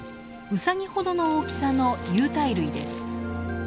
ウサギほどの大きさの有袋類です。